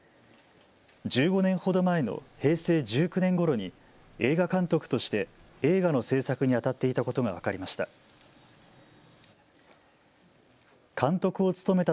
１５年ほど前の平成１９年ごろに映画監督として映画の製作にあたっていたことが分かりました。